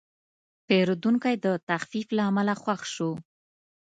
پیرودونکی د تخفیف له امله خوښ شو.